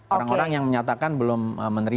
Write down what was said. orang orang yang menyatakan belum menerima